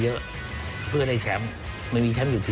ก็คือคุณอันนบสิงต์โตทองนะครับ